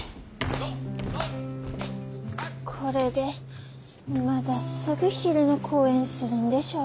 これでまだすぐ昼の公演するんでしょ？